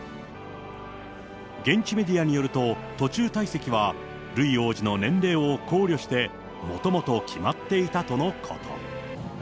現地メディアによると、途中退席は、ルイ王子の年齢を考慮して、もともと決まっていたとのこと。